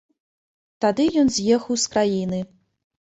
Тады ён з'ехаў з краіны.